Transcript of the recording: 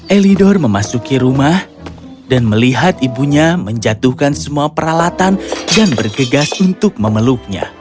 elidor memasuki rumah dan melihat ibunya menjatuhkan semua peralatan dan bergegas untuk memeluknya